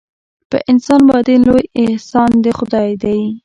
په انسان باندې لوی احسان د خدای دی.